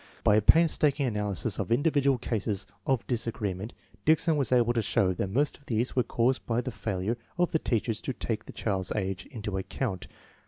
By a painstaking analysis of individual cases of disagree ment, Dickson was able to show that most of these were caused by the failure of the teachers to take the child's age into account.